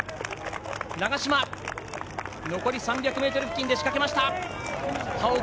長嶋が残り３００ｍ付近で仕掛けた。